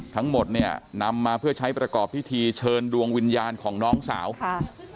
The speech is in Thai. ทั้งหมดเนี่ยนำมาเพื่อใช้ประกอบพิธีเชิญดวงวิญญาณของน้องสาวค่ะ